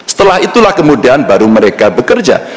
setelah itulah kemudian baru mereka bekerja